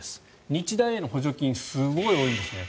日大への補助金すごい多いですね。